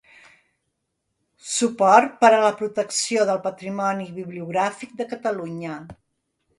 Suport per a la protecció del patrimoni bibliogràfic de Catalunya.